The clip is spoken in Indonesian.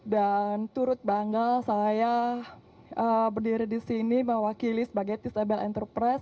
dan turut bangga saya berdiri di sini mewakili sebagai disable enterprise